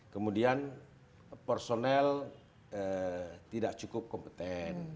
kemudian personel tidak cukup kompeten